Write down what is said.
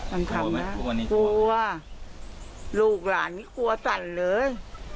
มันทำล่ะกลัวลูกหลานก็กลัวสั่นเลย